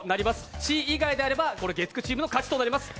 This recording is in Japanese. Ｃ以外であれば月９チームの勝ちとなります。